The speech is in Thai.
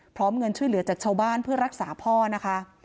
เงินช่วยเหลือจากชาวบ้านเพื่อรักษาพ่อนะคะ